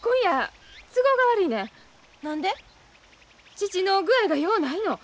父の具合がようないの。